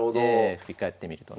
振り返ってみるとね。